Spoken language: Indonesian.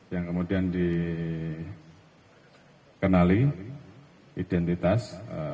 yang kemudian dikenali identitas